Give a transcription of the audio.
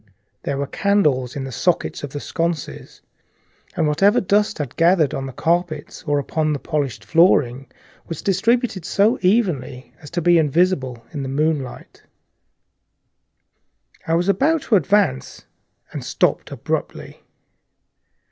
There were candles in the sockets of the sconces, and whatever dust had gathered on the carpets or upon the polished flooring was distributed so evenly as to be invisible in my candlelight. A waiting stillness was over everything. I was about to advance, and stopped abruptly.